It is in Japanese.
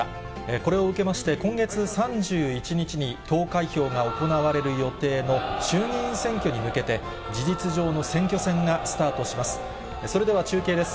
これを受けまして、今月３１日に投開票が行われる予定の衆議院選挙に向けて、事実上の選挙戦がスタートします。